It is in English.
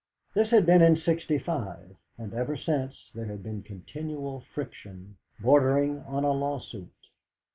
This had been in '65, and ever since there had been continual friction bordering on a law suit.